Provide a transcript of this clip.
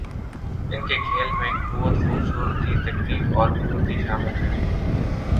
ان کے کھیل میں قوت، خوبصورتی ، تکنیک اور پھرتی شامل ہے